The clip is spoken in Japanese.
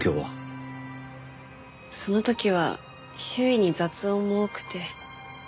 その時は周囲に雑音も多くて。